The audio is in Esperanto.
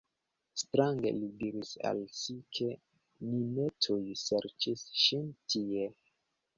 Strange, li diris al si, ke ni ne tuj serĉis ŝin tie.